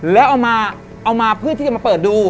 แล้วเอามาเอามาเพื่อที่จะมาเปิดดู